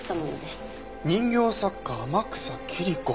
「人形作家天草桐子」